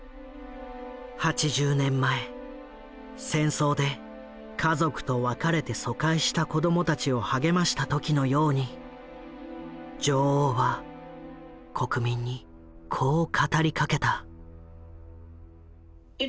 ８０年前戦争で家族と別れて疎開した子どもたちを励ました時のように女王は国民にこう語りかけた。